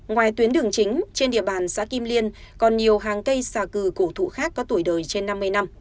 ngoài tuyến đường chính trên địa bàn xã kim liên còn nhiều hàng cây xà cừ cổ thụ khác có tuổi đời trên năm mươi năm